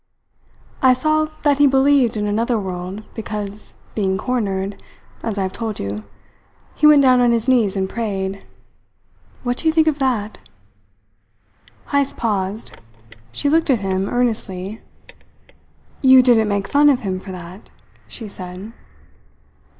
I saw that he believed in another world because, being cornered, as I have told you, he went down on his knees and prayed. What do you think of that?" Heyst paused. She looked at him earnestly. "You didn't make fun of him for that?" she said.